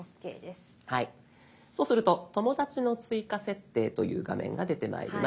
そうすると「友だちの追加設定」という画面が出てまいります。